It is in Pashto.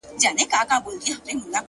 ډېر درته گورم’ لږ راوگوره له عرش څخه’